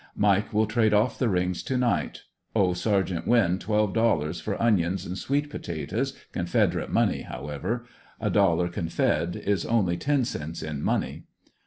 Mike will trade off the rings to night. Owe Sergt. Winn $12 for onions and sweet potatoes, confederate money however; a dollar confed. is only ten cents in money.